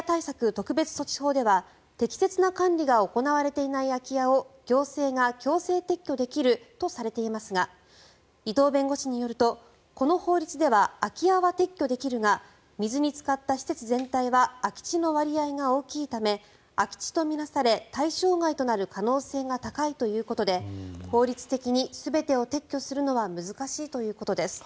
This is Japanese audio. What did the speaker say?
特別措置法では適切な管理が行われていない空き家を行政が強制撤去できるとされていますが伊藤弁護士によるとこの法律では空き家は撤去できるが水につかった施設全体は空き地の割合が大きいため空き地と見なされ対象外となる可能性が高いということで法律的に全てを撤去するのは難しいということです。